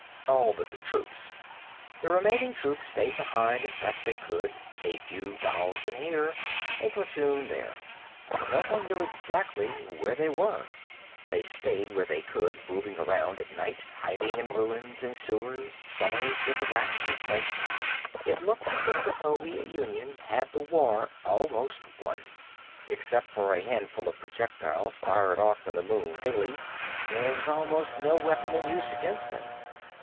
All but the troops. The remaining troops stayed behind as best they could, a few thousand here, a platoon there. No one knew exactly where they were; they stayed where they could, moving around at night, hiding in ruins, in sewers, cellars, with the rats and snakes. It looked as if the Soviet Union had the war almost won. Except for a handful of projectiles fired off from the moon daily, there was almost no weapon in use against them.